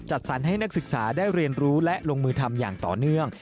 สรรให้นักศึกษาได้เรียนรู้และลงมือทำอย่างต่อเนื่อง